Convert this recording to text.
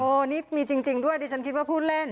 อันนี้มีจริงด้วยดิฉันคิดว่าผู้เล่น